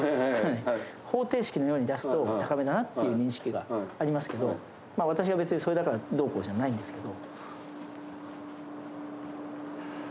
だなっていう認識がありますけど私は別にそれだからどうこうじゃないんですけど。